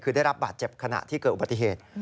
คือได้รับบาดเจ็บขณะที่เกิดอุบัติเหตุ